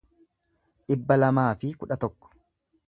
dhibba lamaa fi kudha tokko